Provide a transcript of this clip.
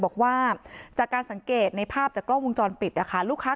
บอกว่าจากการสังเกตในภาพจากกล้องวงจรปิดนะคะลูกค้า